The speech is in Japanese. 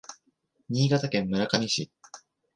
新潟県村上市